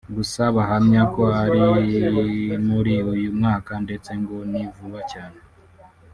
gusa bahamya ko ari muri uyu mwaka ndetse ngo ni vuba cyane